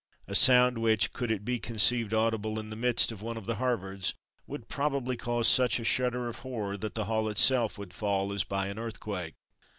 a sound which, could it be conceived audible in the midst of one of the Harvards, would probably cause such a shudder of horror that the hall itself would fall as by an earthquake.